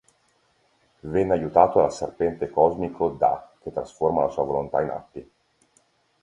Venne aiutato dal serpente cosmico Da che trasforma la sua volontà in atti.